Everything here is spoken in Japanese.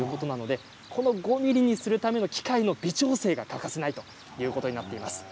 この５ｍｍにするための機械の微調整が欠かせないということなんです。